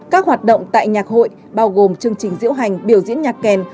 các hoạt động tại nhạc hội bao gồm chương trình diễu hành biểu diễn nhạc kèn